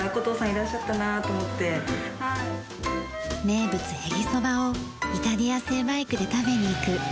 名物へぎそばをイタリア製バイクで食べに行く。